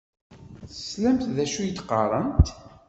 Teslamt d acu i d-qqaṛent?